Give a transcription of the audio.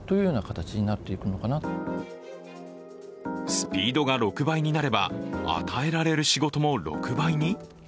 スピードが６倍になれば与えられる仕事も６倍に？